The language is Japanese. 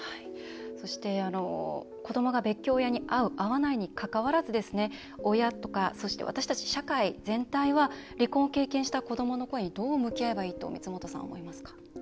そして、子どもが別居親に会う会わないにかかわらず親とか、私たち社会全体は離婚を経験した子どもの声にどう向き合えばいいと光本さん、思いますか？